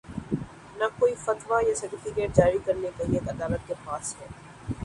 نہ کوئی فتوی یا سرٹیفکیٹ جاری کر نے کا یہ حق عدالت کے پاس ہے۔